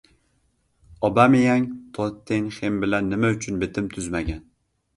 Obameyang “Tottenxem” bilan nima uchun bitim tuzmagan?